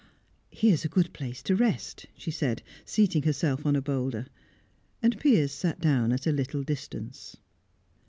"Here is a good place to rest," she said, seating herself on a boulder. And Piers sat down at a little distance.